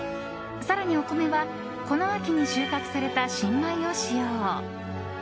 更にお米はこの秋に収穫された新米を使用。